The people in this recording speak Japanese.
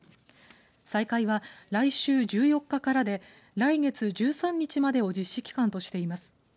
再開は来週１４日からで来月１３日までを実施期間としています。